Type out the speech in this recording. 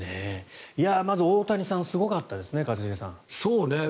まず大谷さんすごかったですね、一茂さん。